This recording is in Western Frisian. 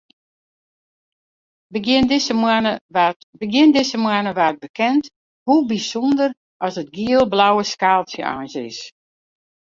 Begjin dizze moanne waard bekend hoe bysûnder as it giel-blauwe skaaltsje eins is.